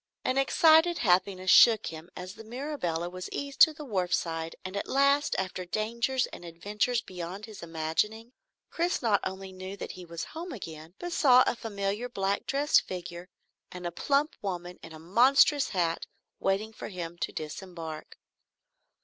An excited happiness shook him as the Mirabelle was eased to the wharfside, and at last, after dangers and adventures beyond his imagining, Chris not only knew that he was home again, but saw a familiar black dressed figure and a plump woman in a monstrous hat, waiting for him to disembark.